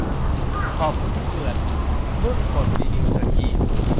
ขอบคุณที่เตือน เพิ่งกดรีนิวตะกี้